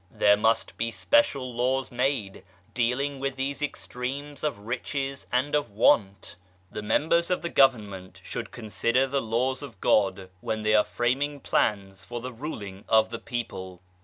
There must be special laws made, dealing with these extremes of Riches and of Want. The members of the Government should consider the Laws of God when they are framing plans for the ruling of the people.